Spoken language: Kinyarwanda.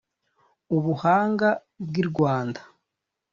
Ubuhanga bw'i Rwanda